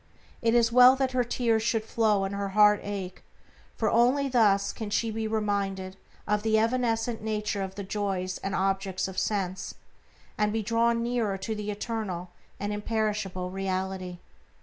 It is well that her tears should flow and her heart ache, for only thus can she be reminded of the evanescent nature of the joys and objects of sense, and be drawn nearer to the eternal and imperishable Reality.